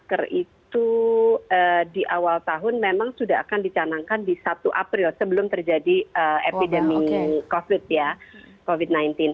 masker itu di awal tahun memang sudah akan dicanangkan di satu april sebelum terjadi epidemi covid ya covid sembilan belas